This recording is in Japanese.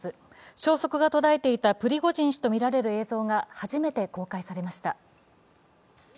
消息が途絶えていたプリゴジン氏とみられる映像が初めて公開されました。